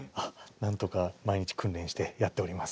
なんとか毎日訓練してやっております。